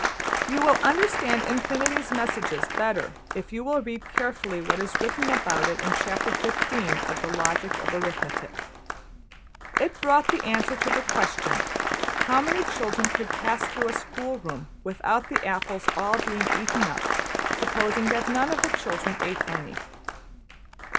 '' You will understand Infinity's messages better if you will read carefully what is written about it in Chapter XV. of ``The Logic of Arithmetic.'' It brought the answer to the question: ``How many children could pass through a school room without the apples all being eaten up, supposing that none of the children ate any?''